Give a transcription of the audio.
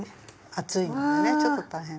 厚いのでねちょっと大変。